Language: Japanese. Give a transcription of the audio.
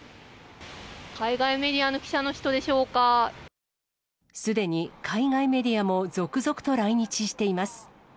海外メディアの記者の人でしすでに海外メディアも続々と来日しています。